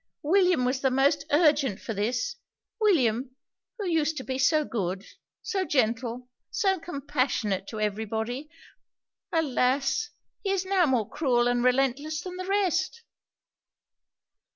William was the most urgent for this William, who used to be so good, so gentle, so compassionate to every body! Alas! he is now more cruel and relentless than the rest!'